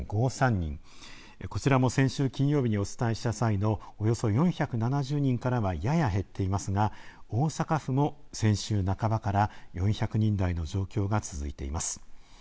こちらも先週金曜日にお伝えした際のおよそ４７０人からはやや減っていますが、大阪府も先週半ばから４００人台の状況が続いています。